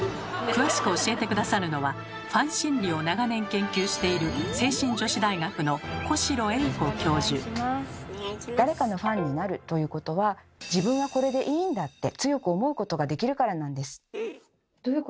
詳しく教えて下さるのはファン心理を長年研究している誰かのファンになるということは「自分はこれでいいんだ！」って強く思うことができるからなんです。